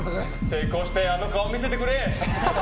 成功してあの顔見せてくれ！